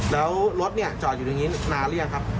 แล้วรถเนี่ยจอดอยู่ตรงนี้นานหรือยังครับ